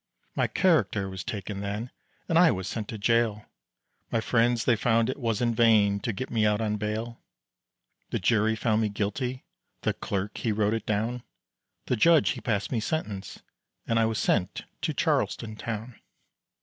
My character was taken then, and I was sent to jail. My friends they found it was in vain to get me out on bail. The jury found me guilty, the clerk he wrote it down, The judge he passed me sentence and I was sent to Charleston town.